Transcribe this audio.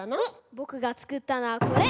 ぼくがつくったのはこれ！